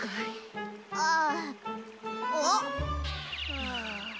はあ。